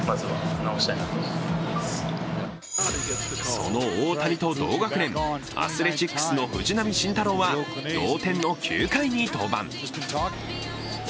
その大谷と同学年アスレチックスの藤浪晋太郎は同点の９回に登板。